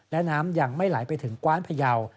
และน้ำยังไม่ไหลไปถึงกว้านพยาว